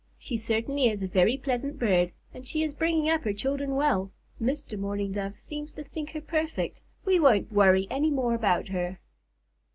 "She certainly is a very pleasant bird, and she is bringing up her children well. Mr. Mourning Dove seems to think her perfect. We won't worry any more about her."